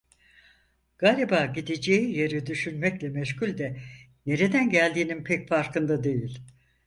Galiba gideceği yeri düşünmekle meşgul de, nereden geldiğinin pek farkında değil.